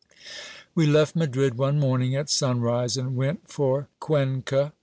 We left Madrid one morning at sunrise, and went for Cuenca.